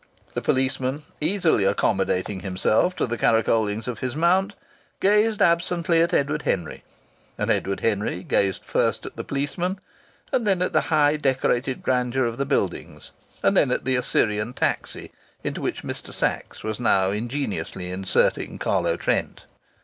The policeman, easily accommodating himself to the caracolings of his mount, gazed absently at Edward Henry, and Edward Henry gazed first at the policeman, and then at the high decorated grandeur of the buildings, and then at the Assyrian taxi into which Mr. Sachs was now ingeniously inserting Carlo Trent.